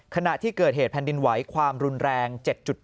ขณะที่เกิดเหตุแผ่นดินไหวความรุนแรง๗๘